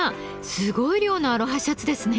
すごい量のアロハシャツですね。